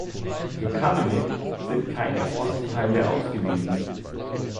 Für Kamenec sind keine Ortsteile ausgewiesen.